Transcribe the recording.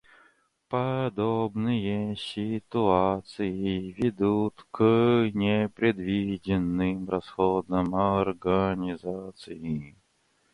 Подобные ситуации ведут к непредвиденным расходам организации